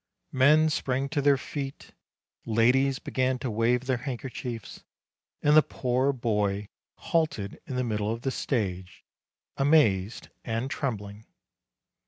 Men sprang to their feet, ladies began to wave their hand kerchiefs, and the poor boy halted in the middle of the stage, amazed and trembling.